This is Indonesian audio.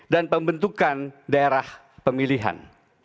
dan pembentukan daerah pemilihan